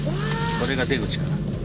これが出口かな？